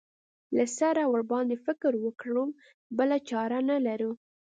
له سره ورباندې فکر وکړو بله چاره نه لرو.